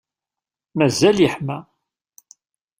Mazal yeḥma.